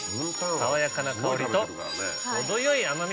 爽やかな香りと程よい甘み。